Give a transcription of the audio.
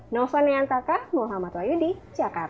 nova neantaka muhammad wahyudi jakarta